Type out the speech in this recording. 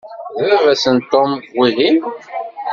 D baba-s n Tom, wihin?